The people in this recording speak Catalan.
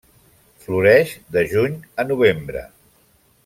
Floreix de juny a novembre.